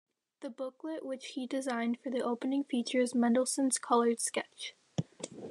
The booklet which he designed for the opening features Mendelsohn's coloured sketch.